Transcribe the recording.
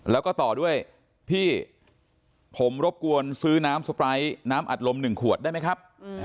แล้วก็ต่อด้วยพี่ผมรบกวนซื้อน้ำสไปร์น้ำอัดลม๑ขวดได้ไหมครับ